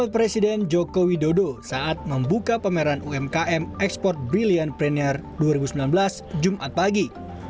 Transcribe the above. presiden joko widodo saat membuka pameran umkm export brilliant preneur dua ribu sembilan belas jumat pagi